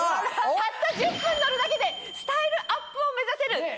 たった１０分乗るだけでスタイルアップを目指せる。